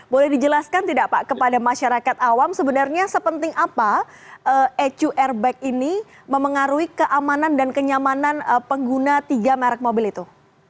boleh dijelaskan tidak pak kepada masyarakat awam sebenarnya sepenting apa ecu airbag ini memengaruhi keamanan dan kenyamanan pengguna tiga merek mobil itu